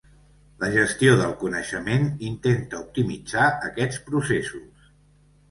La gestió del coneixement intenta optimitzar aquests processos.